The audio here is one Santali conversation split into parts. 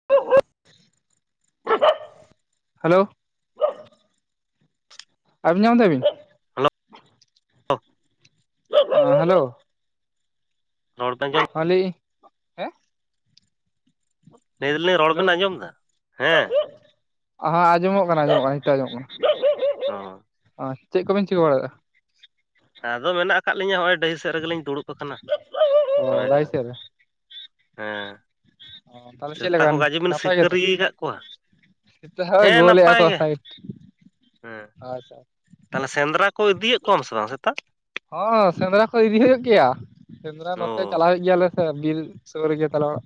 [unintelligible] ᱦᱮᱞᱳ ᱟᱡᱚᱢ ᱧᱟᱢ ᱫᱟᱵᱤᱱ ᱦᱮᱞᱳ ᱦᱮᱸ ᱦᱳᱞᱳ ᱨᱚᱲ ᱯᱮ ᱟᱸᱡᱚᱢ ᱦᱟᱞᱤ ᱞᱟᱹᱭ ᱫᱟᱞᱤᱧ ᱨᱚᱲ ᱦᱮᱞᱳ, ᱵᱮᱱ ᱟᱸᱡᱚᱢ ᱮᱫᱟ ᱦᱮᱸ ᱟᱸᱡᱚᱢᱚᱜ ᱠᱟᱱᱟ ᱟᱸᱡᱚᱢᱚᱜ ᱠᱟᱱᱟ ᱱᱤᱛᱚᱜ ᱟᱸᱡᱚᱢᱚᱜ ᱠᱟᱱᱟ ᱚ ᱚ ᱪᱮᱫ ᱠᱚᱵᱮᱱ ᱪᱤᱠᱟᱹ ᱵᱟᱲᱟᱭᱫᱟ ᱟᱫᱚ ᱢᱮᱱᱟᱜ ᱟᱠᱟᱫ ᱞᱤᱧᱟᱹ ᱱᱚᱜᱼᱚᱭ ᱰᱟᱺᱦᱤ ᱥᱮᱫ ᱨᱮᱜᱮᱞᱤᱧ ᱫᱩᱲᱩᱵ ᱟᱠᱟᱱᱟ ᱚ ᱫᱟᱨᱮ ᱦᱮᱸ ᱥᱮᱫ ᱨᱮ ᱚ ᱛᱟᱦᱚᱞᱮ ᱪᱮᱫ ᱥᱮᱛᱟ ᱞᱮᱠᱟ ᱠᱚ ᱜᱟᱡᱮ ᱵᱤᱱ ᱥᱤᱠᱟᱹᱨᱤ ᱟᱠᱟᱫ ᱠᱚᱣᱟ? ᱥᱮᱛᱟ ᱦᱚᱜᱼᱚᱭ ᱦᱮᱸ ᱜᱳᱞ ᱮᱫᱟ ᱱᱟᱯᱟᱭ ᱠᱚ ᱜᱮ ᱥᱟᱭᱤᱴ ᱨᱮ ᱦᱮᱸ ᱟᱪᱪᱷᱟ ᱛᱟᱦᱚᱞᱮ ᱥᱮᱸᱫᱽᱨᱟ ᱠᱚ ᱤᱫᱤᱭᱮᱫ ᱠᱚᱣᱟᱢ ᱥᱮ ᱵᱟᱝ ᱥᱮᱛᱟᱜ ᱦᱚᱸ ᱥᱮᱸᱫᱽᱨᱟ ᱠᱚ ᱤᱫᱤ ᱦᱩᱭᱩᱜ ᱜᱮᱭᱟ ᱥᱮᱸᱫᱽᱨᱟ ᱱᱚᱛᱮ ᱪᱟᱞᱟᱣ ᱚ ᱦᱩᱭᱩᱜ ᱜᱮᱭᱟᱞᱮ ᱵᱤᱨ ᱥᱳᱨ ᱜᱮ ᱛᱟᱞᱮ ᱚᱲᱟᱜ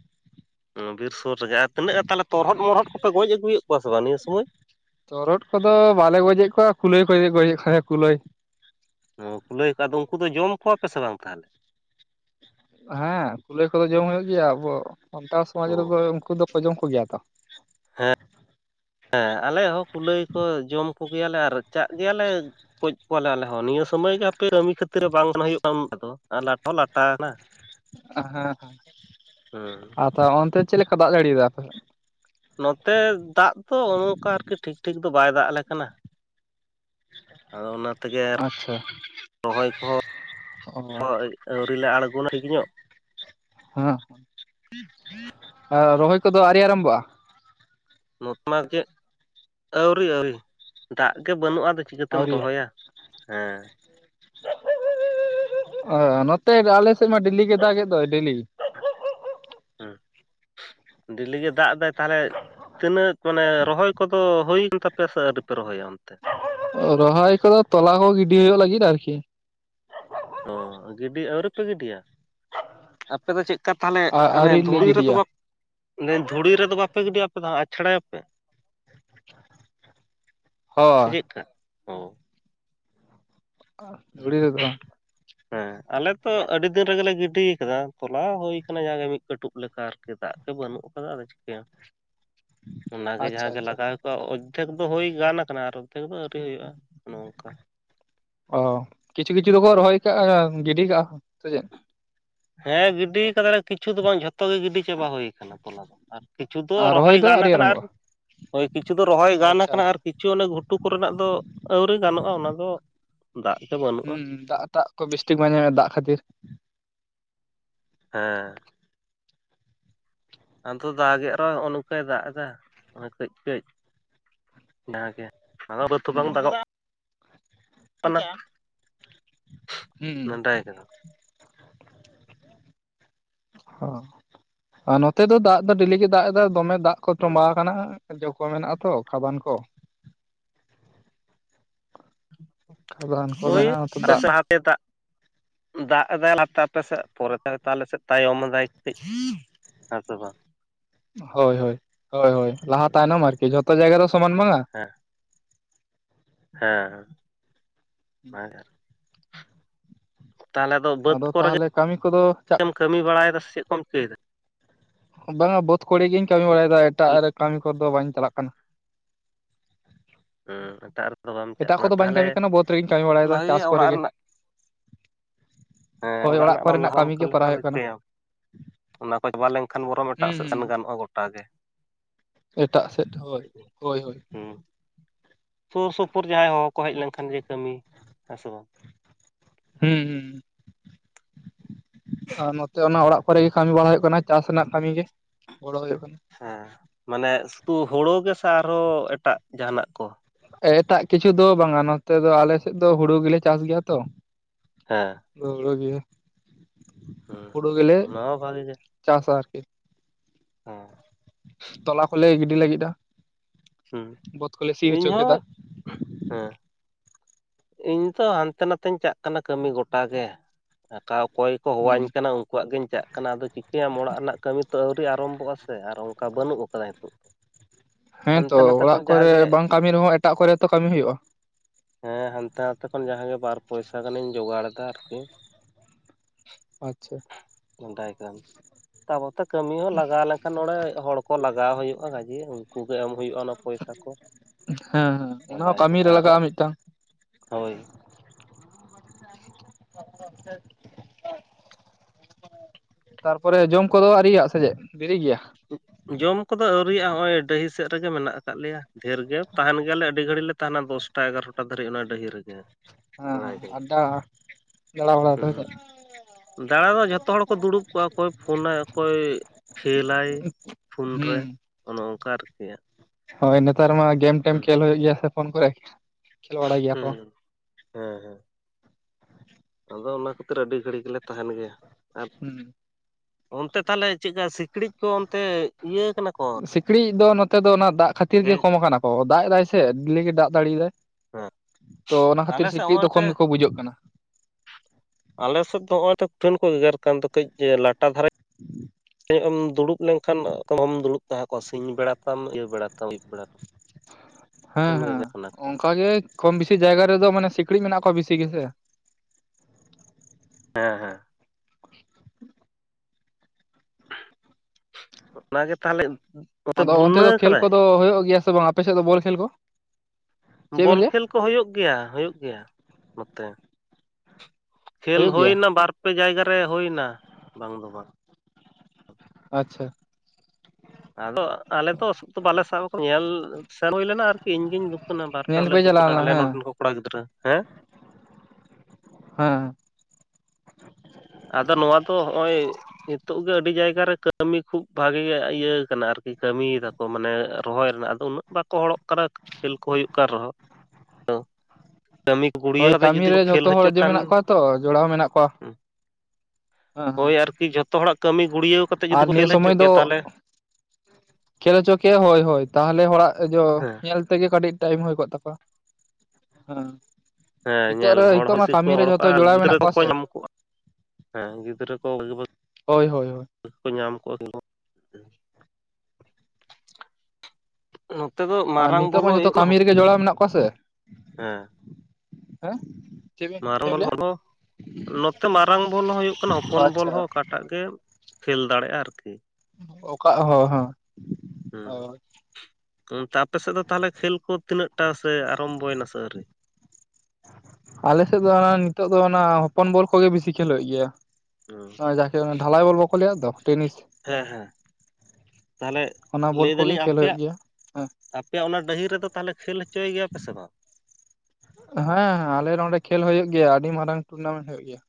ᱵᱤᱨ ᱥᱩᱨ ᱨᱮᱜᱮ ᱟᱨ ᱛᱤᱱᱟᱹᱜ ᱛᱟᱦᱚᱞᱮ ᱛᱚᱨᱦᱚᱫ ᱢᱚᱨᱦᱚᱫ ᱠᱚᱯᱮ ᱜᱚᱡ ᱟᱹᱜᱩᱭᱮᱫ ᱠᱚᱣᱟ ᱥᱮ ᱵᱟᱝ ᱱᱤᱭᱟᱹ ᱥᱚᱢᱚᱭ ᱛᱚᱨᱚᱴ ᱠᱚᱫᱚ ᱵᱟᱞᱮ ᱜᱚᱡᱮᱫ ᱠᱚᱣᱟ ᱠᱩᱞᱟᱹᱭ ᱠᱚ ᱜᱚᱡᱮᱫ ᱠᱚᱣᱟᱞᱮ ᱠᱩᱞᱟᱹᱭ ᱦᱩ ᱠᱩᱞᱟᱹᱭ ᱠᱚ ᱟᱫᱚ ᱩᱱᱠᱩ ᱫᱚ ᱡᱚᱢ ᱠᱚᱣᱟᱯᱮ ᱥᱮᱮ ᱵᱟᱝ ᱛᱟᱦᱚᱞᱮ? ᱦᱮᱸ ᱠᱩᱞᱟᱹᱭ ᱠᱚᱫᱚ ᱡᱚᱢ ᱦᱩᱭᱩᱜ ᱜᱮᱭᱟ ᱟᱵᱚ ᱥᱟᱱᱛᱟᱲ ᱥᱚᱢᱟᱡᱽ ᱚ ᱨᱮᱫᱚ ᱩᱱᱠᱩ ᱫᱚᱠᱚ ᱡᱚᱢ ᱠᱚᱜᱮᱭᱟ ᱛᱚ ᱦᱮᱸ ᱦᱮᱸ ᱟᱞᱮ ᱦᱚᱸ ᱠᱩᱞᱟᱹᱭ ᱠᱚ ᱡᱚᱢ ᱠᱚᱜᱮᱭᱟᱞᱮ ᱟᱨ ᱪᱟᱜ ᱜᱮᱭᱟᱞᱮ ᱜᱚᱡ ᱠᱚᱣᱟᱞᱮ ᱟᱞᱮ ᱦᱚᱸ ᱱᱤᱭᱟᱹ ᱥᱚᱢᱚᱭ ᱜᱮ ᱟᱯᱮ ᱨᱟᱹᱢᱤ ᱠᱷᱟᱹᱛᱤᱨ ᱵᱟᱝ ᱦᱩᱭᱩᱜ ᱠᱟᱱᱟ ᱫᱚ ᱟᱨ ᱞᱟᱴ ᱦᱚᱸ ᱞᱟᱴᱟᱱᱟ ᱟ ᱦᱟ ᱦᱮᱸ ᱟᱫᱚ ᱚᱱᱛᱮ ᱪᱮᱫ ᱞᱮᱠᱟ ᱫᱟᱜ ᱡᱟᱲᱤᱭᱮᱫᱟ ᱟᱯᱮᱥᱮᱫ? [unintelligible] ᱱᱚᱛᱮ ᱫᱟᱜ ᱫᱚ ᱱᱚᱝᱠᱟ ᱟᱨᱠᱤ ᱴᱷᱤᱠ ᱴᱷᱤᱠ ᱫᱚ ᱵᱟᱭ ᱫᱟᱜ ᱟᱞᱮ ᱠᱟᱱᱟ ᱟᱫᱚ ᱚᱱᱟ ᱛᱮᱜᱮ ᱟᱪᱪᱷᱟ ᱨᱚᱦᱚᱭ ᱠᱚᱦᱚᱸ ᱚ [unintelligible] ᱟᱹᱣᱨ ᱞᱮ ᱮ ᱟᱬᱜᱚᱱᱟ ᱦᱤᱠ ᱧᱚᱜ ᱦᱮᱸ ᱟᱨ ᱨᱚᱦᱚᱭ ᱠᱚᱫᱚ ᱟᱹᱣᱨᱤ ᱟᱨᱟᱢᱵᱚᱜᱼᱟ ᱛᱚ ᱢᱟ ᱪᱮᱫ ᱟᱹᱣᱨᱤ ᱟᱹᱣᱨᱤ ᱫᱟᱜ ᱜᱮ ᱵᱟᱹᱱᱩᱜᱼᱟ ᱟᱫᱚ ᱪᱤᱠᱟᱹᱛᱮᱢ ᱟᱹᱣᱨᱤᱭᱟ? ᱨᱚᱦᱚᱭᱟ ᱦᱮᱸ ᱦᱳᱭ ᱱᱚᱛᱮ ᱟᱞᱮ ᱥᱮᱫ ᱢᱟ ᱰᱮᱞᱤ ᱜᱮ ᱫᱟᱜᱮᱜ ᱫᱚ ᱰᱮᱞᱤ [inaudible] ᱦᱮᱸ ᱰᱮᱞᱤ ᱜᱮ ᱫᱟᱜ ᱮᱫᱟᱭ ᱛᱟᱦᱚᱞᱮ ᱛᱤᱱᱟᱹᱜ ᱢᱟᱱᱮ ᱨᱚᱦᱚᱭ ᱠᱚᱫᱚ ᱦᱩᱭ ᱮᱱ ᱛᱟᱯᱮᱭᱟ ᱥᱮ ᱟᱹᱣᱨᱤ ᱯᱮ ᱨᱚᱦᱚᱭᱟ ᱨᱚᱦᱚᱭ ᱠᱚᱫᱚ ᱛᱚᱞᱟ ᱠᱚ ᱜᱤᱰᱤ ᱦᱩᱭᱩᱜ ᱞᱟᱹᱜᱤᱫ ᱟᱨᱠᱤ᱾ ᱚ ᱜᱤᱰᱤ ᱟᱹᱣᱨᱤᱯᱮ ᱜᱤᱰᱤᱭᱟ? ᱟᱯᱮ ᱫᱚ ᱪᱮᱫ ᱠᱟ ᱛᱟᱦᱚᱞᱮ ᱚᱱᱮ ᱟᱹᱣᱨᱤ ᱞᱮ ᱫᱷᱩᱲᱤ ᱨᱮᱫᱚ ᱜᱤᱰᱤᱭᱟ ᱢᱟᱹᱱ ᱫᱷᱩᱲᱤ ᱨᱮᱫᱚ ᱵᱟᱯᱮ ᱜᱤᱰᱤᱭᱟ ᱟᱯᱮ ᱫᱚ ᱟᱴᱷᱲᱮᱭᱟᱯᱮ᱾ ᱥᱮ ᱦᱳᱭ ᱪᱮᱫ ᱠᱟ? ᱚᱸ [unintelligible] ᱫᱷᱩᱲᱤ ᱨᱮᱫᱚ ᱵᱟᱝ᱾ ᱦᱮᱸ ᱟᱞᱮ ᱛᱚ ᱟᱹᱰᱤ ᱫᱤᱱ ᱨᱮᱜᱮᱞᱮ ᱜᱤᱰᱤ ᱠᱟᱜᱼᱟ ᱛᱚᱞᱟ ᱦᱩᱭ ᱟᱠᱟᱱᱟ ᱡᱟᱦᱟ ᱜᱮ ᱢᱤᱫ ᱠᱟᱹᱴᱩᱵ ᱞᱮᱠᱟ ᱟᱨᱠᱤ ᱫᱟᱜ ᱜᱮ ᱵᱟᱹᱱᱩᱜ ᱟᱠᱟᱫᱟ ᱟᱫᱚ ᱪᱤᱠᱟᱹᱭᱟᱢ᱾ ᱚᱱᱟᱜᱮ ᱟᱪᱪᱷᱟ ᱡᱟᱦᱟᱸ ᱜᱮ ᱟᱪᱪᱷᱟ ᱞᱟᱜᱟᱣ ᱚᱨᱫᱷᱮᱠ ᱫᱚ ᱦᱩᱭ ᱜᱟᱱ ᱟᱠᱟᱱᱟ ᱟᱨ ᱚᱨᱫᱷᱮᱠ ᱫᱚ ᱟᱹᱣᱨᱤ ᱦᱩᱭᱩᱜ-ᱟ ᱚᱱᱮ ᱚᱱᱠᱟ᱾ ᱚ ᱠᱤᱪᱷᱩ ᱠᱤᱪᱷᱩ ᱫᱚᱠᱚ ᱨᱚᱦᱚᱭ ᱠᱟᱜ-ᱟ ᱜᱤᱰᱤ ᱠᱟᱜ-ᱟ ᱥᱮ ᱪᱮᱫ? ᱦᱮᱸ ᱜᱤᱰᱤ ᱟᱠᱟᱫᱟᱞᱮ ᱠᱤᱪᱷᱩ ᱫᱚ ᱵᱟᱝ ᱡᱷᱚᱛᱚ ᱜᱮ ᱜᱤᱰᱤ ᱪᱟᱵᱟ ᱦᱩᱭ ᱠᱟᱱᱟ ᱛᱚᱞᱟ ᱫᱚ ᱟᱨ ᱠᱤᱪᱷᱩ ᱫᱚ ᱟᱨ ᱨᱚᱦᱚᱭ ᱫᱚ ᱜᱟᱱ ᱟᱹᱣᱨᱤ ᱟᱠᱟᱱᱟ ᱟᱨ ᱟᱨᱟᱢᱵᱚᱜᱼᱟ ᱳᱭ ᱠᱤᱪᱷᱩ ᱫᱚ ᱨᱚᱦᱚᱭ ᱚ ᱜᱟᱱ ᱟᱪᱪᱷᱟ ᱟᱠᱟᱱᱟ ᱟᱨ ᱟᱪᱪᱷᱟ ᱠᱤ ᱠᱤᱪᱷᱩ ᱚᱱᱮ ᱜᱷᱩᱴᱩ ᱠᱚᱨᱮᱱᱟᱜ ᱫᱚ ᱟᱹᱣᱨᱤ ᱜᱟᱱᱚᱜ-ᱟ ᱚᱱᱟ ᱫᱚ᱾ ᱫᱟᱜ ᱛᱚ ᱵᱟᱱᱩᱜ᱾ ᱦᱮᱸ ᱫᱟᱜ ᱫᱟᱜ ᱠᱚ ᱵᱮᱥ ᱴᱷᱤᱠ ᱵᱟᱝ ᱧᱟᱢᱮᱫ-ᱟ ᱫᱟᱜ ᱠᱷᱟᱹᱛᱤᱨ᱾ ᱦᱮᱸ᱾ ᱟᱫᱚ ᱫᱟᱜᱮᱫ ᱨᱮᱦᱚᱸ ᱱᱚᱜ-ᱚ ᱚᱱᱠᱟᱭ ᱫᱟᱜ ᱮᱫᱟ ᱠᱟᱹᱡ ᱠᱟᱹᱡ ᱡᱟᱦᱮᱸ᱾ ᱟᱫᱚ ᱵᱟᱹᱫᱽ ᱦᱚᱸ ᱦᱩᱸ ᱵᱟᱝ ᱫᱟᱜ-ᱚᱜ [unintelligible] ᱠᱟᱱᱟ᱾ ᱦᱩᱸ ᱱᱟᱸᱰᱮᱭ ᱟᱠᱟᱱᱟ᱾ [unintelligible] ᱦᱚᱸ ᱟᱨ ᱱᱚᱛᱮ ᱫᱚ ᱫᱟᱜ ᱫᱚ ᱰᱮᱞᱤ ᱜᱮ ᱫᱟᱜ ᱮᱫᱟ ᱫᱚᱢᱮ ᱫᱟᱜ ᱠᱚ ᱴᱚᱢᱵᱦᱟᱣ ᱟᱠᱟᱱᱟ ᱡᱚ ᱠᱚ ᱢᱮᱱᱟᱜ-ᱟ ᱛᱚ ᱠᱷᱟᱫᱟᱱ ᱠᱚ᱾ ᱠᱷᱟᱫᱟᱱ ᱠᱚ ᱦᱳᱭ ᱢᱮᱱᱟᱜᱼᱟ ᱛᱚ ᱟᱞᱮ ᱫᱟᱜ ᱥᱮᱫ ᱞᱟᱦᱟᱛᱮ ᱫᱟᱜ ᱫᱟᱜ ᱮᱫᱟᱭ ᱞᱟᱦᱟᱛᱮ ᱟᱯᱮ ᱥᱮᱫ ᱯᱚᱨᱮᱛᱮ ᱦᱚᱭ ᱛᱚ ᱟᱞᱮᱥᱮᱫ ᱛᱟᱭᱚᱢ ᱟᱫᱟᱭ᱾ [unintelligible] ᱦᱳᱭ ᱦᱳᱭ ᱦᱳᱭ ᱦᱳᱭ ᱞᱟᱦᱟ ᱛᱟᱭᱱᱚᱢ ᱟᱨᱠᱤ ᱡᱷᱚᱛᱚ ᱡᱟᱭᱜᱟ ᱫᱚ ᱥᱚᱢᱟᱱ ᱵᱟᱝ-ᱟ ᱦᱮᱸ ᱦᱮᱸ ᱚᱱᱟᱜᱮ ᱟᱨ ᱛᱟᱦᱚᱞᱮ ᱫᱚ ᱵᱟᱹᱫᱽ ᱟᱫᱚ ᱛᱟᱦᱚᱞᱮ ᱠᱟᱹᱢᱤ ᱠᱚᱫᱚ ᱪᱟᱜ ᱠᱚᱨᱮᱜᱮᱢ ᱠᱟᱹᱢᱤ ᱵᱟᱲᱟᱭᱮᱫᱟ ᱥᱮ ᱪᱮᱫ ᱠᱚᱢ ᱪᱤᱠᱟᱹᱭᱮᱫᱟ? ᱵᱟᱝ-ᱟ ᱵᱟᱹᱫᱽ ᱠᱚᱨᱮ ᱜᱤᱧ ᱠᱟᱹᱢᱤ ᱵᱟᱲᱟᱭᱮᱫᱟ ᱮᱴᱟᱜ ᱨᱮ ᱠᱟᱹᱢᱤ ᱠᱚ ᱫᱚ ᱵᱟᱹᱧ ᱪᱟᱞᱟᱜ ᱠᱟᱱᱟ᱾ ᱦᱮᱸ ᱮᱴᱟᱜ ᱨᱮᱫᱚ ᱵᱟᱢ ᱪᱟᱞᱟᱜ ᱮᱴᱟᱜ ᱠᱟᱱᱟ ᱠᱚᱫᱚ ᱵᱟᱹᱧ ᱛᱟᱦᱚᱞᱮ ᱠᱟᱹᱢᱤ ᱠᱟᱱᱟ ᱵᱟᱹᱫᱽ ᱨᱮᱜᱤᱧ ᱠᱟᱹᱢᱤ ᱵᱟᱲᱟᱭᱮᱫᱟ ᱵᱷᱟᱜᱮ ᱪᱟᱥ ᱜᱮ ᱠᱚᱨᱮ ᱚᱲᱟᱜ ᱨᱮᱱᱟᱜ᱾ ᱦᱮᱸ ᱦᱳᱭ ᱚᱲᱟᱜ ᱨᱮᱱᱟᱜ ᱠᱚᱨᱮᱱᱟᱜ ᱞᱟᱦᱟᱢ ᱜᱮ ᱠᱟᱹᱢᱤ ᱠᱚᱨᱟᱣ ᱞᱮᱠᱷᱟᱱ ᱫᱚ ᱦᱩᱭᱩᱜ ᱠᱟᱱᱟ ᱪᱤᱠᱟᱹᱭᱟᱢ? ᱚᱱᱟ ᱠᱚ ᱪᱟᱵᱟ ᱞᱮᱱᱠᱷᱟᱱ ᱵᱚᱨᱚᱝ ᱮᱴᱟᱜ ᱦᱩᱸ ᱥᱮᱫ ᱦᱩᱸ ᱥᱮᱱ ᱜᱟᱱᱚᱜ-ᱟ ᱜᱚᱴᱟᱜᱮ᱾ ᱮᱴᱟᱜ ᱥᱮᱫ ᱦᱳᱭ ᱦᱳᱭ ᱦᱩᱸ ᱥᱩᱨ ᱥᱩᱯᱩᱨ ᱡᱟᱦᱟᱸᱭ ᱦᱚᱲ ᱠᱚ ᱦᱮᱡ ᱞᱮᱱᱠᱷᱟᱱ ᱜᱮ ᱠᱟᱹᱢᱤ ᱦᱮᱸ ᱥᱮ ᱵᱟᱝ ᱦᱮᱸ ᱦᱩᱸ ᱦᱩᱸ ᱟᱨ ᱱᱚᱛᱮ ᱚᱱᱟ ᱚᱲᱟᱜ ᱠᱚᱨᱮ ᱜᱮ ᱠᱟᱹᱢᱤ ᱵᱟᱲᱟ ᱦᱩᱭᱩᱜ ᱠᱟᱱᱟ ᱪᱟᱥ ᱨᱮᱱᱟᱜ ᱠᱟᱹᱢᱤ ᱜᱮ ᱜᱚᱲᱚ ᱦᱩᱭᱩᱜ ᱠᱟᱱᱟ᱾ ᱦᱮᱸ ᱢᱟᱱᱮ ᱥᱩᱫᱷᱩ ᱦᱳᱲᱳ ᱜᱮᱥᱮ ᱟᱨᱦᱚᱸ ᱮᱴᱟᱜ ᱡᱟᱦᱟᱱᱟᱜ ᱠᱚ ᱮᱴᱟᱜ ᱠᱤᱪᱷᱩ ᱫᱚ ᱵᱟᱝᱟ ᱱᱚᱛᱮ ᱫᱚ ᱟᱞᱮ ᱥᱮᱫ ᱫᱚ ᱦᱩᱲᱩ ᱜᱮᱞᱮ ᱪᱟᱥ ᱜᱮᱭᱟ ᱛᱚ ᱦᱮᱸ [unintelligible] ᱜᱮᱭᱟ ᱦᱮᱸ ᱦᱩᱲᱩ ᱜᱮᱞᱮ ᱚᱱᱟ ᱦᱚᱸ ᱵᱷᱟᱜᱮ ᱜᱮ ᱪᱟᱥ-ᱟ ᱟᱨᱠᱤ᱾ ᱦᱮᱸ᱾ ᱛᱚᱞᱟ ᱠᱚᱞᱮ ᱜᱤᱰᱤ ᱞᱟᱹᱜᱤᱫ-ᱟ ᱦᱩᱸ ᱵᱟᱹᱫ ᱠᱚᱞᱮ ᱥᱤ ᱦᱚᱪᱚ ᱤᱧ ᱠᱮᱫᱟ᱾ ᱦᱚᱸ ᱦᱮᱸ ᱤᱧ ᱛᱚ ᱦᱟᱱᱛᱮ ᱱᱟᱛᱮᱧ ᱪᱟᱜ ᱠᱟᱱᱟ ᱠᱟᱹᱢᱤ ᱜᱚᱴᱟ ᱜᱮ ᱚᱠᱟ ᱚᱠᱚᱭ ᱠᱚ ᱦᱚᱦᱚᱣᱟᱹᱧ ᱦᱩᱸ ᱠᱟᱱᱟ ᱟᱠᱩᱣᱟᱜ ᱜᱤᱧ ᱪᱟᱜ ᱠᱟᱱᱟ ᱟᱫᱚ ᱪᱤᱠᱟᱹᱭᱟᱢ ᱚᱲᱟᱜ ᱨᱮᱱᱟᱜ ᱠᱟᱹᱢᱤ ᱛᱚ ᱟᱹᱣᱨᱤ ᱟᱨᱚᱢᱵᱚᱜ-ᱟ ᱥᱮ ᱟᱨ ᱚᱱᱠᱟ ᱵᱟᱹᱱᱩᱜ ᱟᱠᱟᱫᱟ ᱱᱤᱛᱚᱜ ᱦᱮᱸᱛᱚ ᱦᱟᱱᱛᱮ ᱱᱟᱛᱮ ᱚᱲᱟᱜ ᱠᱷᱚᱱ ᱡᱟᱦᱟᱸ ᱠᱚᱨᱮ ᱜᱮ ᱵᱟᱝ ᱠᱟᱹᱢᱤ ᱨᱮᱦᱚᱸ ᱮᱴᱟᱜ ᱠᱚᱨᱮ ᱛᱚ ᱠᱟᱹᱢᱤ ᱦᱩᱭᱩᱜ-ᱟ᱾ ᱦᱮᱸ ᱦᱟᱱᱛᱮ ᱱᱟᱛᱮ ᱠᱷᱚᱱ ᱡᱟᱦᱟᱸᱜᱮ ᱵᱟᱨ ᱯᱚᱭᱥᱟ ᱜᱟᱱᱤᱧ ᱡᱳᱜᱟᱲ ᱫᱟ ᱟᱨᱠᱤ᱾ ᱟᱪᱪᱷᱟ ᱢᱮᱛᱟᱭ ᱠᱟᱱ ᱛᱟᱯᱚᱛᱮ ᱠᱟᱹᱢᱤ ᱦᱚᱸ ᱞᱟᱜᱟᱣ ᱞᱮᱱᱠᱷᱟᱱ ᱱᱚᱸᱰᱮ ᱦᱚᱲ ᱠᱚ ᱞᱟᱜᱟᱣ ᱦᱩᱭᱩᱜ-ᱟ ᱜᱟᱡ ᱡᱮ ᱩᱱᱠᱩ ᱜᱮ ᱮᱢ ᱦᱩᱭᱩᱜᱼᱟ ᱚᱱᱟ ᱯᱚᱭᱥᱟ ᱠᱚ ᱦᱮᱸ ᱦᱮᱸ ᱚᱱᱟ ᱦᱚᱸ ᱚᱰᱟᱭ ᱠᱟᱹᱢᱤ ᱠᱟᱫᱟ ᱨᱮ ᱟᱨᱦᱚ ᱞᱟᱜᱟᱜᱼᱟ ᱢᱤᱫᱴᱟᱝ ᱦᱳᱭ ᱛᱟᱨᱯᱚᱨᱮ ᱡᱚᱢ ᱠᱚᱫᱚ ᱟᱹᱶᱨᱤᱣᱟᱜ ᱥᱮ ᱪᱮᱫ ᱰᱮᱨᱤ ᱜᱮᱭᱟ ᱡᱚᱢ ᱠᱚᱫᱚ ᱟᱹᱣᱨᱤᱭᱟᱜ ᱦᱚᱸᱜ ᱚᱭ ᱰᱟᱹᱺᱦᱤ ᱥᱮᱫ ᱨᱮᱜᱮ ᱢᱮᱱᱟᱜ ᱟᱠᱟᱫ ᱞᱮᱭᱟ ᱰᱷᱮᱨ ᱜᱮ ᱛᱟᱦᱮᱱ ᱜᱮᱭᱟᱞᱮ ᱟᱹᱰᱤ ᱜᱷᱟᱹᱲᱤᱡ ᱞᱮ ᱛᱟᱦᱮᱱᱟ ᱫᱚᱥᱴᱟ ᱮᱜᱟᱨᱚᱴᱟ ᱫᱷᱟᱹᱨᱤᱡ ᱚᱱᱟ ᱰᱟᱹᱦᱤ ᱨᱮᱜᱮ ᱦᱮ ᱵᱟᱲᱟᱭ ᱠᱟᱹᱫᱟᱹᱧ ᱟᱰᱰᱟ ᱡᱚᱲᱟ ᱵᱚᱲᱟᱭᱟ ᱯᱮ ᱪᱮᱫ ᱦᱩᱸ ᱫᱟᱬᱟ ᱫᱚ ᱡᱷᱚᱛᱚ ᱦᱚᱲ ᱠᱚ ᱫᱩᱲᱩᱵ ᱠᱚᱜᱼᱟ ᱚᱠᱚᱭ ᱯᱷᱩᱱ ᱨᱮ ᱦᱩᱸ ᱚᱱᱚ ᱚᱱᱠᱟ ᱟᱨᱠᱤ ᱦᱳᱭ ᱱᱮᱛᱟᱨ ᱢᱟ ᱜᱮᱢ ᱴᱮᱢ ᱦᱩᱸ ᱠᱷᱮᱞ ᱦᱩᱭᱩᱜ ᱜᱮᱭᱟ ᱥᱮ ᱯᱷᱳᱱ ᱠᱚᱨᱮ ᱠᱷᱮᱞ ᱵᱟᱲᱟᱭ ᱜᱮᱭᱟ ᱠᱚ ᱦᱩᱸ ᱦᱮᱸ ᱦᱮᱸ ᱟᱫᱚ ᱚᱱᱟ ᱠᱷᱟᱹᱛᱤᱨ ᱟᱹᱰᱤ ᱜᱷᱟᱹᱲᱤᱡ ᱜᱮᱞᱮ ᱛᱟᱦᱮᱱ ᱜᱮᱭᱟ ᱟᱨ ᱦᱩᱸ ᱚᱱᱛᱮ ᱛᱟᱦᱚᱞᱮ ᱪᱮᱫ ᱞᱮᱠᱟ ᱥᱤᱠᱲᱤᱡ ᱠᱚ ᱚᱱᱛᱮ ᱤᱭᱟᱹ ᱠᱟᱱᱟ ᱠᱚ ᱥᱤᱠᱬᱤᱡ ᱫᱚ ᱱᱚᱛᱮ ᱫᱚ ᱚᱱᱟ ᱫᱟᱜ ᱠᱷᱟᱹᱛᱤᱨ ᱜᱮ ᱠᱚᱢ ᱟᱠᱟᱱᱟ ᱠᱚ ᱫᱟᱜ ᱮᱫᱟᱭ ᱥᱮ ᱰᱮᱞᱤᱜ ᱜᱮ ᱫᱟᱜ ᱫᱟᱲᱮᱭᱟᱫᱟᱭ ᱦᱮᱸ ᱛᱚ ᱚᱱᱟ ᱠᱷᱟᱹᱛᱤᱨ ᱟᱞᱮ ᱥᱮᱫ ᱥᱤᱠᱬᱤᱡ ᱦᱚᱸᱜᱼᱚᱭ ᱫᱚ ᱱᱚᱛᱮ ᱠᱚᱢ ᱜᱮᱠᱚ ᱵᱩᱡᱷᱟᱹᱜ ᱠᱟᱱᱟ ᱟᱞᱮᱥᱮᱫ ᱫᱚ ᱱᱚᱜ-ᱚᱭ ᱛᱚ ᱯᱷᱚᱴᱮᱱ ᱠᱚ ᱜᱮᱜᱮᱨ ᱠᱟᱱ ᱫᱚ ᱠᱟᱹᱡ ᱞᱟᱴᱟ ᱫᱷᱟᱨᱮ ᱦᱮᱸ ᱮᱢ ᱫᱩᱲᱩᱵ ᱞᱮᱱᱠᱷᱟᱱ ᱦᱚᱢ ᱫᱩᱲᱩᱵ ᱛᱟᱦᱮᱸ ᱠᱚᱜ ᱥᱤᱧ ᱵᱮᱲᱟ ᱛᱟᱢ ᱤᱭᱟᱹ ᱵᱮᱲᱟ ᱛᱟᱢ ᱟᱹᱭᱩᱵ ᱵᱮᱲᱟ ᱛᱟᱢ ᱦᱮᱸ ᱴᱷᱤᱱ ᱦᱮᱸ ᱜᱮ ᱠᱟᱱᱟ ᱠᱚ ᱚᱱᱠᱟᱜᱮ ᱠᱚᱢ ᱵᱮᱥᱤ ᱡᱟᱭᱜᱟ ᱨᱮᱫᱚ ᱢᱟᱱᱮ ᱥᱤᱠᱲᱤᱡ ᱢᱮᱱᱟᱜ ᱠᱚᱣᱟ ᱵᱤᱥᱤ ᱜᱮᱥᱮ ᱦᱮᱸ ᱦᱮᱸ ᱚᱱᱟᱜᱮ ᱛᱟᱦᱚᱞᱮ ᱱᱚᱛᱮ ᱟᱫᱚ ᱚᱱᱛᱮ ᱵᱩᱱᱱᱟᱹ ᱫᱚ ᱠᱷᱮᱞ ᱟᱠᱟᱫᱟᱭ ᱠᱚᱫᱚ ᱦᱩᱭᱩᱜ ᱜᱮᱭᱟ ᱥᱮ ᱵᱟᱝ ᱟᱯᱮ ᱥᱮᱫ ᱫᱚ ᱵᱚᱞ ᱠᱷᱮᱞ ᱠᱚ ᱪᱮᱫ ᱵᱤᱱ ᱵᱚᱞ ᱞᱟᱹᱭᱟ ᱠᱷᱮᱞ ᱠᱚ ᱦᱩᱭᱩᱜ ᱜᱮᱭᱟ ᱦᱩᱭᱩᱜ ᱜᱮᱭᱟ ᱱᱚᱛᱮ ᱠᱷᱮᱞ ᱦᱩᱭᱩᱜ ᱜᱮᱭᱟ? ᱦᱩᱭᱮᱱᱟ ᱵᱟᱨᱯᱮ ᱡᱟᱭᱜᱟ ᱨᱮ ᱦᱩᱭᱱᱟ ᱵᱟᱝ ᱫᱚ ᱵᱟᱝ ᱟᱪᱪᱷᱟ ᱟᱫᱚ ᱟᱞᱮ ᱫᱚᱥᱩᱵᱚ ᱵᱟᱞᱮ ᱥᱟᱵᱚ ᱧᱮᱞ ᱥᱮᱱ ᱦᱩᱭ ᱞᱮᱱᱟ ᱟᱨᱠᱤ ᱤᱧᱜᱤᱧ ᱫᱩᱠᱟᱱᱟ ᱵᱟᱨ ᱧᱮᱞ ᱦᱚᱲᱞᱮ ᱯᱮ ᱪᱟᱞᱟᱣ ᱫᱩᱠᱷᱟᱹᱱᱟ ᱞᱮᱱᱟ ᱟᱞᱮ ᱦᱮ ᱱᱚᱰᱮᱱ ᱠᱚ ᱠᱚᱲᱟ ᱜᱤᱫᱽᱨᱟᱹ ᱦᱮᱸ ᱦᱮᱸ ᱟᱫᱚ ᱱᱚᱣᱟ ᱫᱚ ᱦᱚᱜ-ᱚᱭ ᱱᱤᱛᱚᱜ ᱜᱮ ᱟᱹᱰᱤ ᱡᱟᱭᱜᱟ ᱨᱮ ᱠᱟᱹᱢᱤ ᱠᱷᱩᱵ ᱵᱷᱟᱜᱤ ᱤᱭᱟᱹ ᱠᱟᱱᱟ ᱟᱨᱠᱤ ᱠᱟᱹᱢᱤᱭᱮᱫᱟ ᱢᱟᱱᱮ ᱨᱚᱦᱚᱭ ᱨᱮᱱᱟᱜ ᱟᱫᱚ ᱩᱱᱟᱹᱜ ᱵᱟᱠᱚ ᱦᱚᱲᱚᱜ ᱠᱟᱱᱟ ᱠᱷᱮᱞ ᱠᱚ ᱦᱩᱭᱩᱜ ᱠᱟᱱ ᱨᱮᱦᱚᱸ ᱠᱟᱹᱢᱤ ᱠᱚ ᱜᱩᱲᱭᱟᱹᱣ ᱦᱳᱭ ᱠᱟᱛᱮ ᱠᱟᱹᱢᱤ ᱡᱩᱫᱤ ᱨᱮ ᱠᱚ ᱠᱷᱹᱮᱞ ᱡᱷᱚᱛᱚ ᱦᱚᱲ ᱦᱚᱪᱚᱭ ᱡᱮ ᱠᱷᱟᱱ ᱢᱮᱱᱟᱜ ᱠᱚᱣᱟ ᱛᱚ ᱡᱚᱲᱟᱣ ᱢᱮᱱᱟᱜ ᱠᱚᱣᱟ᱾ ᱦᱮᱸ ᱦᱮᱸ ᱦᱳᱭ ᱟᱨᱠᱤ ᱡᱷᱚᱛᱚ ᱦᱚᱲᱟᱜ ᱠᱟᱹᱢᱤ ᱜᱩᱲᱭᱟᱹᱣ ᱠᱟᱛᱮ ᱡᱩᱫᱤ ᱟᱨ ᱯᱷᱮᱞ ᱦᱚᱪᱚ ᱠᱮᱭᱟ ᱛᱟᱦᱚᱞᱮ ᱠᱷᱮᱞᱦᱚᱪᱚᱠᱮᱭᱟ ᱦᱳᱭ ᱦᱳᱭ ᱛᱟᱦᱚᱞᱮ ᱦᱚᱲᱟᱜ ᱤᱭᱟᱹ ᱦᱮᱸ ᱧᱮᱞ ᱛᱮᱜᱮ ᱠᱟᱹᱴᱤᱡ ᱴᱟᱭᱤᱢ ᱦᱩᱭ ᱠᱚᱜ ᱛᱟᱠᱚᱣᱟ ᱦᱮᱸ ᱦᱮᱸ ᱱᱤᱛᱚᱜ ᱧᱮᱞ ᱨᱮ ᱦᱚᱲ ᱱᱤᱛᱚᱜ ᱢᱟ ᱦᱚᱥᱤ ᱠᱚ ᱠᱟᱹᱢᱤ ᱨᱮ ᱦᱚᱲ ᱠᱚᱜᱼᱟ ᱡᱷᱚᱛᱚ ᱟᱨ ᱡᱚᱲᱟᱣ ᱜᱤᱫᱽᱨᱟᱹ ᱢᱮᱱᱟᱜ ᱠᱚᱣᱟ ᱦᱚᱠᱚ ᱥᱮ ᱧᱟᱢ ᱠᱚᱜᱼᱟ᱾ ᱦᱮᱸ ᱜᱤᱫᱽᱨᱟᱹ ᱠᱚ ᱦᱳᱭ ᱦᱳᱭ ᱦᱳᱭ ᱧᱟᱢ ᱠᱚᱣᱟ ᱱᱚᱛᱮ ᱫᱚ ᱟᱨ ᱢᱟᱨᱟᱝ ᱱᱤᱛᱚᱜ ᱵᱚᱞ ᱢᱟ ᱦᱚᱸ ᱡᱚᱛᱚ ᱦᱩᱭᱩᱜ ᱠᱟᱱᱟ ᱠᱟᱹᱢᱤ ᱨᱮᱜᱮ ᱡᱚᱲᱟᱣ ᱢᱮᱱᱟᱜ ᱠᱚᱣᱟ ᱥᱮ ᱦᱮᱸ ᱦᱮᱸ ᱪᱮᱫ ᱵᱤᱱ ᱪᱮᱫ ᱵᱤᱱ ᱢᱟᱨᱟᱝ ᱞᱟᱹᱭᱟ? ᱵᱚᱞ ᱱᱚᱛᱮ ᱢᱟᱨᱟᱝ ᱵᱚᱞ ᱦᱚᱸ ᱦᱩᱭᱩᱜ ᱠᱟᱱᱟ ᱦᱚᱯᱚᱱ ᱵᱚᱞ ᱟᱪᱪᱷᱟ ᱦᱚᱸ ᱚᱠᱟᱴ ᱮᱴᱟᱜ ᱜᱮᱢ ᱠᱷᱮᱞ ᱫᱟᱲᱮᱭᱟᱜᱼᱟ ᱟᱨᱠᱤ ᱚᱠᱟ ᱦᱚᱸ ᱦᱳᱭ ᱦᱳᱭ ᱦᱮᱸ ᱟᱯᱮ ᱥᱮᱫ ᱫᱚ ᱛᱟᱦᱚᱞᱮ ᱠᱷᱮᱞ ᱠᱚ ᱛᱤᱱᱟᱹᱜᱴᱟ ᱥᱮ ᱟᱨᱟᱢᱵᱚᱭᱮ ᱱᱟᱥᱮ ᱟᱹᱣᱨᱤ ᱟᱞᱮᱥᱮᱫ ᱫᱚ ᱚᱱᱟ ᱱᱤᱛᱚᱜ ᱫᱚ ᱚᱱᱟ ᱦᱚᱯᱚᱱ ᱵᱚᱞ ᱠᱚᱜᱮ ᱵᱤᱥᱤ ᱠᱷᱮᱞᱳᱜ ᱜᱮᱭᱟ᱾ ᱦᱩᱸ ᱚᱸ ᱡᱟᱠᱮ ᱚᱱᱟ ᱰᱷᱟᱞᱟᱭ ᱵᱚᱞ ᱵᱟᱠᱚ ᱞᱟᱹᱭᱟᱜ ᱫᱚ ᱴᱮᱱᱤᱥ᱾ ᱦᱮᱸ ᱦᱮᱸ ᱛᱟᱦᱞᱮ ᱚᱱᱟ ᱵᱚᱞ ᱞᱟᱹᱭ ᱠᱚᱜᱮ ᱫᱟᱞᱤᱧ ᱠᱷᱮᱞ ᱦᱩᱭᱩᱜ ᱟᱯᱮᱭᱟᱜᱼᱼ ᱜᱮᱭᱟ ᱦᱮᱸ ᱟᱯᱮᱭᱟᱜ ᱚᱱᱟ ᱰᱟᱹᱦᱤ ᱨᱮᱫᱚ ᱛᱟᱦᱚᱞᱮ ᱠᱷᱮᱞ ᱦᱚᱪᱚᱭᱮ ᱜᱮᱭᱟ ᱯᱮ ᱥᱮ ᱵᱟᱝ? ᱦᱮᱸ ᱦᱮᱸ ᱟᱞᱮ ᱱᱚᱸᱰᱮ ᱠᱷᱮᱞ ᱦᱳᱭᱳᱜ ᱜᱮᱭᱟ ᱟᱹᱰᱤ ᱢᱟᱨᱟᱝ ᱴᱩᱨᱱᱟᱢᱮᱱᱴ ᱦᱳᱭᱳᱜ ᱜᱮᱭᱟ᱾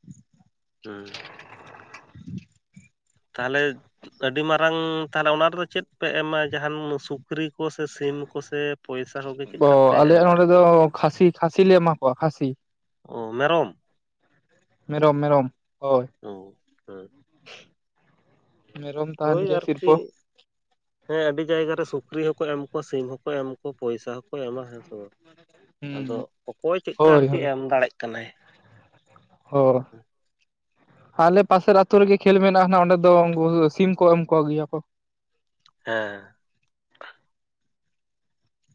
ᱦᱩᱸ ᱛᱟᱦᱚᱞᱮ ᱟᱹᱰᱤ ᱢᱟᱨᱟᱝ ᱛᱟᱦᱚᱞᱮ ᱚᱱᱟ ᱨᱮᱫᱚ ᱪᱮᱫ ᱯᱮ ᱮᱢᱟ ᱡᱟᱦᱟᱱ ᱥᱩᱠᱨᱤ ᱠᱚᱥᱮ ᱥᱤᱢ ᱠᱚᱥᱮᱼᱼ ᱚᱻ ᱟᱞᱮᱭᱟᱜ ᱱᱚᱰᱮ ᱫᱚ ᱠᱷᱟᱥᱤ ᱠᱷᱟᱥᱤ ᱞᱮ ᱮᱢᱟ ᱠᱚᱣᱟ ᱠᱷᱟᱥᱤ᱾ ᱚ ᱢᱮᱨᱚᱢ᱾ ᱢᱮᱨᱚᱢ ᱢᱮᱨᱚᱢ ᱦᱳᱭ᱾ ᱚ ᱦᱮᱸ ᱢᱮᱨᱚᱢ ᱛᱟᱦᱮᱱ ᱦᱳᱭ ᱜᱮᱭᱟ ᱟᱨᱠᱤ ᱥᱤᱨᱯᱟᱹ᱾ ᱦᱮᱸ ᱟᱹᱰᱤ ᱡᱟᱭᱜᱟ ᱨᱮ ᱥᱩᱠᱨᱤ ᱦᱚᱸᱠᱚ ᱮᱢ ᱠᱚᱣᱟ ᱥᱤᱢ ᱦᱚᱸᱠᱚ ᱮᱢ ᱠᱩ ᱯᱚᱭᱥᱟ ᱦᱚᱸᱠᱚ ᱮᱢᱟ ᱦᱮᱸᱥ ᱵᱟᱝ? ᱟᱫᱚ ᱦᱩᱸ ᱚᱠᱚᱭ ᱪᱮᱜᱠᱟ ᱦᱳᱭ ᱟᱨᱠᱤ ᱦᱳᱭ ᱮᱢ ᱫᱟᱲᱮᱜ ᱠᱟᱱᱟᱭ᱾ ᱦᱳ ᱟᱞᱮ ᱯᱟᱥᱮᱨ ᱟᱛᱳ ᱨᱮᱜᱮ ᱠᱷᱮᱞ ᱢᱮᱱᱟᱜᱼᱟ ᱱᱟᱦᱟᱜ ᱚᱸᱰᱮ ᱫᱚ ᱩᱱᱠᱩ ᱥᱤᱢ ᱠᱚ ᱮᱢ ᱠᱚ ᱜᱮᱭᱟ ᱠᱚ᱾ ᱦᱮᱸ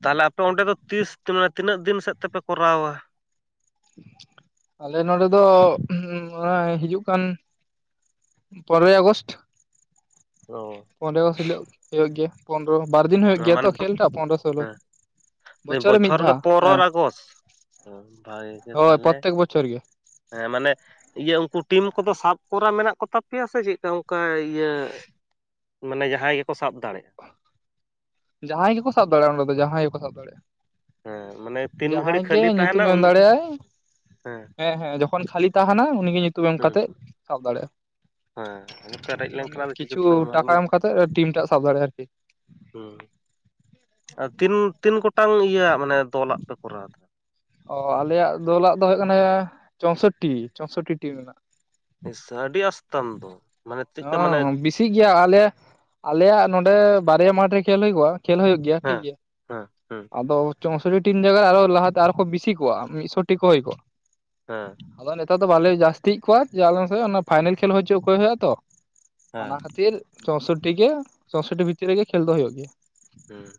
ᱛᱟᱦᱚᱞᱮ ᱟᱯᱮ ᱚᱸᱰᱮ ᱫᱚ ᱛᱤᱥ ᱛᱮᱢᱟ ᱛᱤᱱᱟᱹᱜ ᱫᱤᱱ ᱥᱮᱫ ᱛᱮᱯᱮ ᱠᱚᱨᱟᱣᱼᱟ? ᱟᱞᱮ ᱱᱚᱰᱮ ᱫᱚ ᱚᱣᱟ ᱦᱤᱡᱩᱜ ᱠᱟᱱᱼᱼ ᱯᱚᱱᱨᱚᱭ ᱟᱜᱚᱥᱴ᱾ ᱚ ᱯᱚᱱᱰᱮᱨᱚ ᱦᱤᱞᱳ ᱦᱩᱭᱩᱜ ᱜᱮᱭᱟ ᱯᱚᱱᱨᱚ ᱵᱟᱨ ᱫᱤᱱ ᱦᱩᱭᱩᱜ ᱜᱮᱭᱟ ᱢᱟᱱᱮ ᱛᱚ ᱠᱷᱮᱞ ᱴᱟᱜ ᱯᱚᱱᱨᱚ ᱥᱳᱞᱞᱳ᱾ ᱵᱚᱪᱷᱚᱨ ᱜᱮ ᱯᱚᱱᱚᱨᱚᱨ ᱟᱜᱚᱥᱴ ᱦᱚᱸ ᱵᱷᱟᱜᱮ ᱜᱮ ᱦᱳᱭ ᱛᱟᱦᱚᱞᱮ᱾ ᱯᱨᱚᱛᱛᱮᱠ ᱵᱚᱪᱷᱚᱨ ᱜᱮ ᱦᱮᱸ ᱢᱟᱱᱮ ᱤᱭᱟᱹ ᱩᱱᱠᱩ ᱴᱤᱢ ᱠᱚᱫᱚ ᱥᱟᱵ ᱠᱚᱨᱟ ᱢᱮᱱᱟᱜ ᱠᱚᱛᱟ ᱯᱮᱭᱟ ᱥᱮ ᱪᱮᱜᱠᱟ ᱚᱱᱠᱟ ᱤᱭᱟᱹᱼᱼ ᱢᱟᱱᱮ ᱡᱟᱦᱟᱸᱭ ᱜᱮᱠᱚ ᱥᱟᱵ ᱫᱟᱲᱮᱜ᱾ ᱡᱟᱦᱟᱸᱭ ᱜᱮᱠᱚ ᱥᱟᱵ ᱫᱟᱲᱮᱭᱟᱜᱼᱟ ᱚᱸᱰᱮ ᱫᱚ ᱡᱟᱦᱟᱸᱭ ᱜᱮᱠᱚ ᱥᱟᱵ ᱫᱟᱲᱮᱭᱟᱜᱼᱟ᱾ ᱦᱮᱸ ᱢᱟᱱᱮ ᱛᱤᱱ ᱡᱟᱦᱟᱸᱭ ᱜᱷᱟᱹᱲᱤᱡ ᱜᱮ ᱠᱷᱟᱹᱞᱤ ᱛᱟᱦᱮᱱᱟ ᱧᱩᱛᱩᱢᱮ ᱮᱢ ᱩᱱ ᱫᱟᱲᱮᱜ ᱟᱭ᱾ ᱦᱮᱸ ᱦᱮᱸ ᱡᱚᱠᱷᱚᱱ ᱠᱷᱟᱹᱞᱤ ᱛᱟᱦᱮᱸᱱᱟ ᱩᱱᱤᱜᱮ ᱧᱩᱛᱩᱢ ᱮᱢ ᱦᱮᱸ ᱠᱟᱛᱮᱜ ᱥᱟᱵ ᱫᱟᱲᱮᱜᱼᱟ᱾ ᱦᱮᱸ ᱟᱫᱚ ᱯᱮᱨᱮᱡ ᱞᱮᱱᱠᱷᱟᱱ ᱟᱫᱟ ᱪᱤᱠᱟᱹᱛᱮ ᱠᱤᱪᱷᱩ ᱮᱢᱟ ᱟᱫᱚ ᱴᱟᱠᱟ ᱢᱟᱱᱮ᱾ ᱮᱢ ᱠᱟᱛᱮᱫ ᱴᱤᱢ ᱴᱟᱜ ᱥᱟᱵ ᱫᱟᱲᱮᱭᱟᱜᱼᱟ ᱟᱨᱠᱤ ᱦᱩᱸ ᱟᱼᱛᱤᱱ ᱛᱤᱱ ᱜᱚᱴᱟᱝ ᱤᱭᱟᱹ ᱟᱜ ᱢᱟᱱᱮ ᱫᱚᱞᱟᱜ ᱯᱮ ᱠᱚᱨᱟᱣ ᱫᱟ? ᱚ ᱟᱞᱮᱭᱟᱜ ᱫᱚᱞᱟᱜ ᱫᱚ ᱦᱩᱭᱩᱜ ᱠᱟᱱᱟ ᱪᱳᱥᱚᱴᱴᱤ ᱪᱳᱥᱚᱴᱴᱤ ᱴᱤᱢ ᱮᱱᱟᱜ᱾ ᱤᱥᱼᱥᱟ ᱟᱹᱰᱤ ᱟᱥᱚᱛᱟᱢ ᱫᱚ᱾ ᱢᱟᱱᱮ ᱪᱮᱫᱠᱟ ᱢᱟᱱᱮ ᱦᱚᱸ ᱵᱮᱥᱤᱜ ᱜᱮᱭᱟ ᱟᱞᱮ ᱟᱞᱮᱭᱟᱜ ᱱᱚᱰᱮ ᱵᱟᱨᱭᱟ ᱢᱟᱴᱷ ᱨᱮ ᱠᱷᱮᱞ ᱦᱩᱭ ᱠᱚᱼᱟ᱾ ᱠᱷᱮᱞ ᱦᱩᱭᱩᱜ ᱜᱮᱭᱟ ᱴᱷᱤᱠ ᱦᱮᱸ ᱜᱮᱭᱟ᱾ ᱦᱮᱸ ᱦᱮᱸ ᱟᱫᱚᱼᱼ ᱪᱚᱥᱚᱴᱤ ᱴᱤᱢ ᱵᱮᱜᱚᱨ ᱟᱨᱚ ᱞᱟᱦᱟ ᱛᱮ ᱟᱨᱠᱚ ᱵᱤᱥᱤ ᱠᱚᱜᱼᱟ ᱢᱤᱜᱥᱚᱴᱤ ᱠᱚ ᱦᱩᱭ ᱠᱚᱜᱼᱟ᱾ ᱦᱮᱸ ᱟᱫᱚ ᱱᱮᱛᱟᱨ ᱫᱚ ᱵᱟᱞᱮ ᱡᱟᱹᱥᱛᱤ ᱮᱜ ᱠᱚᱣᱟ ᱡᱮ ᱟᱞᱮ ᱱᱚᱛᱮ ᱫᱚ ᱚᱱᱟ ᱯᱷᱟᱭᱱᱮᱞ ᱠᱷᱮᱞ ᱦᱩᱭ ᱪᱩ ᱠᱚ ᱦᱩᱭᱩᱜᱼᱟ ᱛᱚ᱾ ᱦᱮᱸ ᱚᱱᱟ ᱠᱷᱟᱹᱛᱤᱨ ᱪᱳᱥᱚᱴᱴᱤ ᱜᱮ ᱪᱳᱥᱚᱴᱴᱤ ᱵᱷᱤᱛᱤᱨ ᱨᱮᱜᱮ ᱠᱷᱮᱞ ᱫᱚ ᱦᱩᱭᱩᱜ ᱜᱮᱭᱟ᱾ ᱦᱩᱸ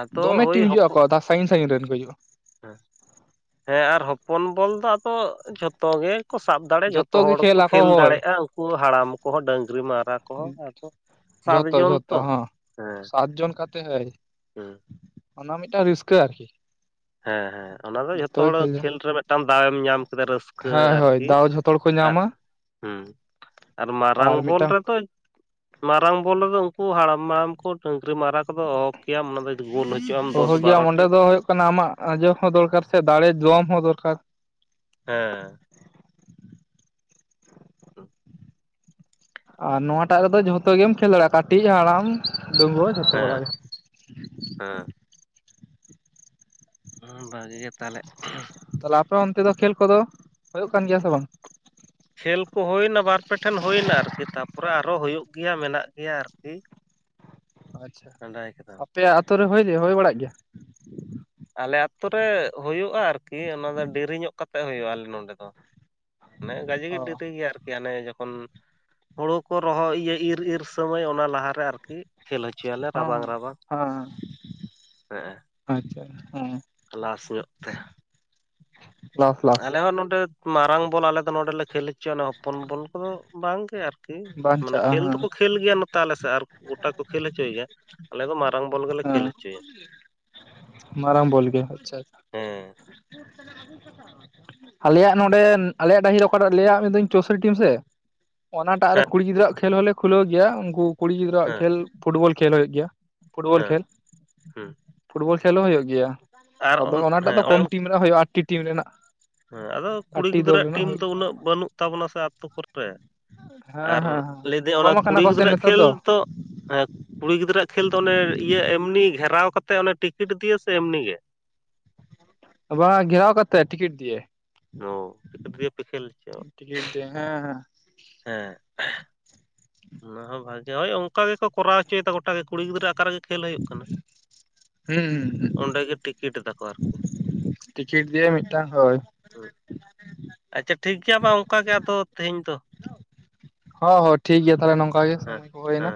ᱟᱫᱚ ᱫᱚᱢᱮ ᱦᱳᱭ ᱴᱤᱢ ᱦᱤᱡᱩᱜᱼᱟ ᱠᱚ ᱥᱟᱺᱜᱤᱧ ᱥᱟᱺᱜᱤᱧ ᱨᱮᱱ ᱠᱚ ᱦᱤᱡᱩᱜᱼᱟ᱾ ᱦᱮ ᱦᱮᱸ ᱟᱨ ᱦᱚᱯᱚᱱ ᱵᱚᱞ ᱫᱚ ᱟᱫᱚ ᱡᱷᱚᱛᱚ ᱜᱮᱼᱼ ᱠᱚ ᱥᱟᱵ ᱫᱟᱲᱮ ᱡᱷᱚᱛᱚ ᱡᱚᱛᱚ ᱜᱮ ᱦᱚᱲ ᱜᱮᱠᱚ ᱟᱠᱚ ᱠᱷᱮᱞ ᱦᱳᱭ ᱫᱟᱲᱮᱜᱼᱟ ᱩᱱᱠᱩ ᱦᱟᱲᱟᱢ ᱠᱚᱦᱚᱸ ᱰᱟᱹᱝᱨᱤ ᱢᱟᱨᱦᱟ ᱠᱚᱦᱚᱸ ᱟᱨᱠᱚ᱾ ᱡᱚᱛᱚ ᱡᱷᱚᱛᱚ ᱦᱚᱸ ᱥᱟᱛ ᱡᱚᱱ ᱠᱟᱛᱮ ᱦᱳᱭ᱾ ᱦᱩᱸ ᱚᱱᱟ ᱢᱤᱫᱴᱟᱝ ᱨᱤᱥᱠᱟᱹ ᱟᱨᱠᱤ᱾ ᱦᱮᱸ ᱦᱮᱸ ᱚᱱᱟ ᱫᱚ ᱡᱚᱛᱚ ᱡᱷᱚᱛᱚ ᱜᱮ ᱦᱚᱲ ᱡᱚᱝ ᱠᱷᱮᱞ ᱨᱮ ᱢᱤᱫᱴᱟᱝ ᱫᱟᱣ ᱮᱢ ᱧᱟᱢ ᱠᱮᱫᱟ ᱨᱟᱹᱥᱠᱟᱹ ᱦᱳᱭ ᱦᱳᱭ ᱟᱨᱠᱤ ᱫᱟᱣ ᱡᱷᱚᱛᱚ ᱦᱚᱲ ᱠᱚ ᱧᱟᱢᱟ ᱦᱮᱸ ᱟᱨ ᱢᱟᱨᱟᱝ ᱵᱚᱞ ᱨᱮᱫᱚ ᱢᱟᱨᱟᱝ ᱵᱚᱞ ᱨᱮᱫᱚ ᱩᱱᱠᱩ ᱦᱟᱲᱟᱢ ᱦᱟᱲᱟᱢ ᱠᱚ ᱰᱟᱹᱝᱨᱤ ᱢᱟᱨᱟ ᱠᱚᱫᱚ ᱚᱦᱚ ᱠᱮᱭᱟᱢ ᱚᱱᱟ ᱫᱚ ᱜᱳᱞ ᱦᱚᱪᱚᱜ ᱟᱢ ᱫᱚᱥ [unintelligible] ᱵᱟᱨᱚᱴᱤ ᱚᱸᱰᱮ ᱫᱚ ᱦᱩᱭᱩᱜ ᱠᱟᱱᱟ ᱟᱢᱟᱜ ᱟᱡᱸᱚ ᱦᱚᱸ ᱫᱚᱨᱠᱟᱨ ᱥᱮ ᱫᱟᱲᱮ ᱡᱚᱢ ᱦᱚᱸ ᱫᱚᱨᱠᱟᱨ ᱦᱮᱸ ᱟᱨ ᱱᱚᱣᱟᱴᱟᱜ ᱨᱮᱫᱚ ᱡᱷᱚᱛᱚ ᱜᱮᱢ ᱠᱷᱮᱞ ᱫᱟᱲᱮᱭᱟᱜᱼᱟ ᱠᱟᱹᱴᱤᱡ ᱦᱟᱲᱟᱢ ᱰᱟ. ᱝᱜᱩᱣᱟᱹ ᱦᱮᱸ ᱦᱮᱸ ᱵᱷᱟᱜᱮ ᱜᱮ ᱛᱟᱦᱚᱞᱮ ᱛᱟᱦᱞᱮ ᱟᱯᱮ ᱚᱱᱛᱮ ᱫᱚ ᱠᱷᱮᱞ ᱠᱚᱫᱚ ᱦᱩᱭᱩᱜ ᱠᱟᱱ ᱜᱮᱭᱟ ᱥᱮ ᱵᱟᱝ? ᱠᱷᱮᱞ ᱠᱚ ᱦᱳᱭᱱᱟ ᱵᱟᱨ ᱯᱮ ᱴᱷᱮᱱ ᱦᱳᱭᱱᱟ ᱟᱨᱠᱤ ᱛᱟᱯᱚᱨᱮ ᱟᱨᱚ ᱦᱩᱭᱩᱜ ᱜᱮᱭᱟ ᱢᱮᱱᱟᱜ ᱜᱮᱭᱟ ᱟᱨᱠᱤ᱾ ᱟᱪᱪᱷᱟ ᱱᱮᱰᱟᱭ ᱠᱮᱫᱟᱢ ᱟᱯᱮᱭᱟᱜ ᱟᱛᱳ ᱨᱮ ᱦᱳᱭ ᱦᱳᱭ ᱵᱟᱲᱟᱜ ᱜᱮᱭᱟ? ᱟᱞᱮ ᱟᱛᱳ ᱨᱮ ᱦᱩᱭᱩᱜᱼᱟ ᱟᱨᱠᱤ ᱚᱱᱟ ᱫᱚ ᱰᱮᱨᱤ ᱧᱚᱜ ᱠᱟᱛᱮᱜ ᱦᱩᱭᱩᱜᱼᱟ ᱟᱞᱮ ᱱᱚᱰᱮ ᱫᱚ᱾ ᱢᱟᱱᱮ ᱜᱟᱡᱮ ᱚ ᱜᱮ ᱰᱤᱨᱤ ᱜᱮᱭᱟ ᱟᱨᱠᱤ ᱟᱱᱮ ᱡᱚᱠᱷᱚᱱ ᱦᱳᱲᱳ ᱠᱚ ᱨᱚᱦᱚᱭ ᱤᱭᱟᱹ ᱤᱨ ᱤᱨ ᱥᱚᱢᱚᱭ ᱚᱱᱟ ᱞᱟᱦᱟᱨᱮ ᱟᱨᱠᱤ ᱠᱷᱮᱞ ᱦᱚᱪᱚᱭᱟᱞᱮ ᱦᱚᱸ ᱨᱟᱵᱟᱝ ᱨᱟᱵᱟᱝ ᱦᱚᱸ ᱦᱮᱜ ᱮ ᱟᱪᱪᱷᱟ ᱦᱮᱸ ᱞᱟᱥ ᱧᱚᱜ ᱛᱮ ᱞᱟᱥ ᱞᱟᱥ ᱟᱞᱮ ᱦᱚᱸ ᱱᱚᱰᱮ ᱢᱟᱨᱟᱝ ᱵᱚᱞ ᱟᱞᱮ ᱫᱚ ᱱᱚᱸᱰᱮᱰ ᱮᱞᱮ ᱠᱷᱮᱞ ᱦᱚᱪᱚᱭᱟ ᱚᱱᱮ ᱦᱚᱯᱚᱱ ᱵᱚᱞ ᱠᱚᱫᱚ ᱵᱟᱝᱜᱮ ᱟᱨ ᱢᱟᱱᱮ ᱵᱟᱧᱪᱟᱜᱼᱟ ᱠᱷᱮᱞ ᱦᱮᱸ ᱫᱚᱠᱚ ᱠᱷᱮᱞ ᱜᱮᱭᱟ ᱱᱚᱛᱮ ᱟᱞᱮ ᱥᱮᱫ ᱟᱨ ᱜᱚᱴᱟ ᱠᱚ ᱠᱷᱮᱞ ᱦᱚᱪᱚᱭ ᱜᱮᱭᱟ ᱟᱞᱮ ᱫᱚ ᱢᱟᱨᱟᱝ ᱵᱚᱞ ᱜᱮᱞᱮ ᱦᱮᱸ ᱠᱷᱮᱞ ᱦᱚᱪᱚᱭᱟ ᱢᱟᱨᱟᱝ ᱵᱚᱞ ᱜᱮ ᱟᱪᱪᱷᱟ ᱟᱪᱪᱷᱟ ᱦᱮᱸ ᱟᱞᱮᱭᱟᱜ ᱱᱚᱸᱰᱮ ᱟᱞᱮᱭᱟᱜ ᱰᱟᱹᱦᱤ ᱨᱮ ᱚᱠᱟᱴᱟᱜ ᱞᱟᱹᱭᱟᱜ ᱢᱮᱫᱳᱧ ᱪᱳᱥᱳ ᱴᱤᱢ ᱥᱮ ᱚᱱᱟᱴᱟᱜ ᱨᱮ ᱦᱮᱸ ᱠᱩᱲᱤ ᱜᱤᱫᱽᱨᱟᱹᱣᱟᱜ ᱠᱷᱮᱞ ᱦᱚᱞᱮ ᱠᱷᱩᱞᱟᱹᱣ ᱜᱮᱭᱟ ᱩᱱᱠᱩ ᱠᱩᱲᱤ ᱜᱤᱫᱽᱨᱟᱹᱣᱟᱜ ᱦᱮᱸ ᱠᱷᱮᱞ ᱯᱷᱩᱴᱵᱚᱞ ᱠᱷᱮᱞ ᱦᱩᱭᱩᱜ ᱜᱮᱭᱟ ᱯᱷᱩᱴᱵᱚᱞ ᱦᱮᱸ ᱠᱷᱮᱞ ᱦᱩᱸ ᱯᱷᱩᱴᱵᱚᱞ ᱠᱷᱮᱞ ᱦᱚᱸ ᱦᱩᱭᱩᱜ ᱜᱮᱭᱟ ᱟᱨ ᱟᱫᱚ ᱚᱱ ᱚᱱᱟᱴᱟᱜ ᱫᱚ ᱦᱮᱸ ᱚᱱᱮ ᱠᱚᱢ ᱚᱱ ᱴᱤᱢᱼᱼ ᱦᱩᱭᱩᱜᱼᱟ ᱟᱴᱴᱤ ᱴᱤᱢ ᱨᱮᱱᱟᱜ ᱦᱮᱸ ᱟᱫᱚ ᱠᱩᱲᱤ ᱟᱴᱴᱤ ᱫᱚᱞ ᱜᱤᱫᱽᱨᱟᱹᱣᱟᱜ ᱨᱮᱱᱟᱜ ᱴᱤᱢ ᱦᱩᱭᱩᱜ ᱫᱚ ᱜᱮᱭᱟ ᱩᱱᱟᱹᱜ ᱵᱟᱹᱱᱩᱜ ᱛᱟᱵᱚᱱᱟ ᱥᱮ ᱟᱛᱳ ᱠᱚᱨᱮ ᱦᱮᱸ ᱟᱨ ᱦᱮᱸ ᱦᱮᱸ ᱞᱟᱹᱭᱫᱟᱹᱧ ᱚᱱᱟ ᱠᱚᱢ ᱟᱠᱟᱱᱟ ᱠᱩᱲᱤ ᱠᱚ ᱥᱮ ᱜᱤᱫᱽᱨᱟᱹᱣᱟᱜ ᱱᱮᱛᱟᱨ ᱠᱷᱮᱞ ᱫᱚ ᱛᱚ ᱠᱩᱲᱤ ᱜᱤᱫᱽᱨᱟᱹᱣᱟᱜ ᱠᱷᱮᱞ ᱫᱚ ᱚᱱᱮ ᱤᱭᱟᱹ ᱮᱢᱱᱤ ᱜᱷᱮᱨᱟᱣ ᱠᱟᱛᱮ ᱚᱱᱮ ᱴᱤᱠᱤᱴ ᱫᱤᱭᱟ ᱥᱮ ᱮᱢᱱᱤ ᱜᱮ ᱵᱟᱝ ᱜᱷᱮᱨᱟᱣ ᱠᱟᱛᱮ ᱴᱤᱠᱤᱴ ᱫᱤᱭᱮ ᱚᱸᱻ ᱴᱤᱠᱤᱴ ᱫᱤᱭᱮ ᱯᱮ ᱠᱷᱮᱞ ᱦᱚᱪᱚ ᱴᱤᱠᱤᱴ ᱫᱤᱭᱮ ᱦᱮᱸ ᱦᱮᱸ ᱦᱮᱸ ᱚᱱᱟ ᱦᱚᱸ ᱵᱷᱟᱜᱮ ᱦᱳᱭ ᱚᱱᱠᱟ ᱜᱮᱠᱚ ᱠᱚᱨᱟᱣ ᱦᱚᱪᱚᱭᱮᱫᱟ ᱜᱚᱴᱟ ᱜᱮ ᱠᱩᱲᱤ ᱜᱤᱫᱽᱨᱟᱹ ᱚᱠᱟᱨᱮ ᱠᱷᱮᱞ ᱦᱩᱭᱩᱜ ᱠᱟᱱᱟ ᱦᱮᱸ ᱦᱩᱸ ᱚᱸᱰᱮ ᱜᱮ ᱴᱤᱠᱤᱴ ᱫᱟᱠᱚ ᱟᱨᱠᱤ ᱴᱤᱠᱤᱴ ᱫᱤᱭᱮ ᱢᱤᱫᱴᱟᱝ ᱦᱳᱭ ᱟᱪᱪᱷᱟ ᱴᱷᱤᱠ ᱜᱮᱭᱟ ᱢᱟ ᱚᱱᱠᱟ ᱜᱮ ᱟᱫᱚ ᱛᱮᱦᱮᱧ ᱫᱚ᱾ ᱦᱚᱸ ᱦᱚᱸ ᱴᱷᱤᱠ ᱜᱮᱭᱟ ᱛᱟᱦᱞᱮ ᱱᱚᱝᱠᱟ ᱜᱮ ᱦᱮᱸ ᱥᱚᱢᱚᱭ ᱠᱚ ᱦᱩᱭᱱᱟ ᱦᱮᱸ